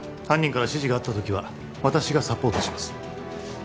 犯人から指示があった時は私がサポートします